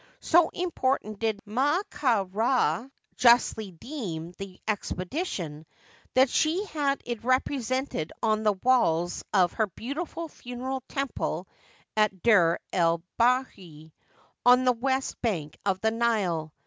So important did Ma ka Ra justly deem the expedition, that she had it represented on the walls of her beautiful funereal temple at D6r el bahiri, on the west bank of the Nile.